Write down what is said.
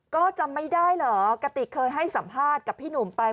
ก็จำไม่ได้เหรอกติกเคยให้สัมภาษณ์กับพี่หนุ่มไป